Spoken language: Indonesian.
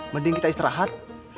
mending kita istirahat